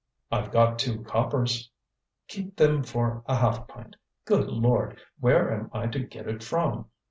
"I've got two coppers." "Keep them for a half pint. Good Lord! where am I to get it from?